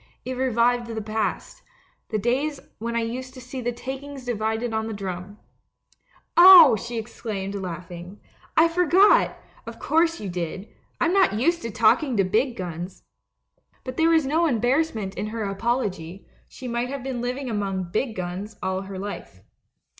It revived the past — the days when I used to see the takings divided on the drum. " 'Oh,' she exclaimed, laughing, 'I forgot 1 Of course you did — I'm not used to talking to big guns.' But there was no embarrassment in her apology — she might have been living among 'big guns' all her life.